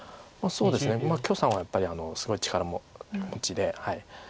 そうですね許さんはやっぱりすごい力持ちで。